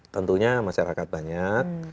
tentunya masyarakat banyak